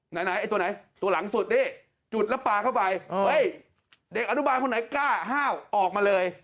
ไหนไอ้ตัวไหนตัวหลังสุดนี่จุดแล้วปลาเข้าไปเฮ้ยเด็กอนุบาลคนไหนกล้าห้าวออกมาเลย